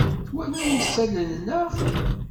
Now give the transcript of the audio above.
Twalam isalan, naɣ?